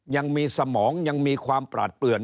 ยังมีสมองยังมีความปราดเปลือน